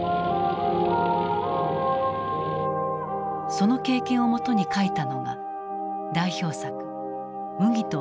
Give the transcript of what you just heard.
その経験をもとに書いたのが代表作「麦と兵隊」である。